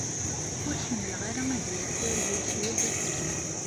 Ur ḥemmleɣ ara ad yaker Youtube akud-iw.